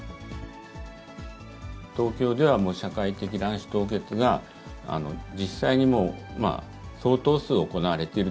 東京ではもう社会的卵子凍結が、実際にもう相当数行われている。